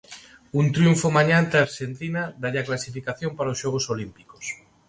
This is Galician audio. Un triunfo mañá ante a Arxentina dálle a clasificación para os Xogos Olímpicos.